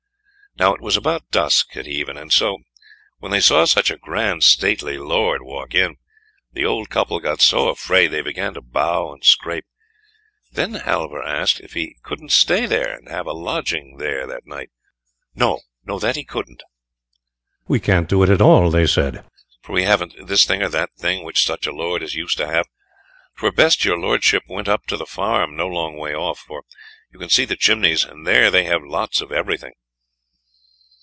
Now it was about dusk at even, and so, when they saw such a grand stately lord walk in, the old couple got so afraid they began to bow and scrape. Then Halvor asked if he couldn't stay there, and have a lodging there that night. No; that he couldn't. "We can't do it at all," they said, "for we haven't this thing or that thing which such a lord is used to have; 'twere best your lordship went up to the farm, no long way off, for you can see the chimneys, and there they have lots of everything."